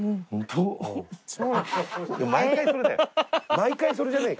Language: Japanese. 毎回それだよ。